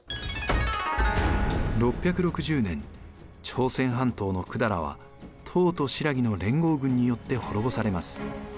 朝鮮半島の百済は唐と新羅の連合軍によって滅ぼされます。